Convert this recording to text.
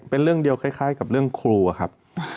เป็นเรื่องเดียวคล้ายกับเรื่องครูอะครับ